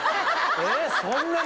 えっそんなに？